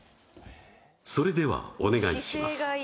それではお願いします